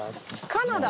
カナダ？